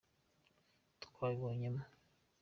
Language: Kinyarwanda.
twabibonyemo.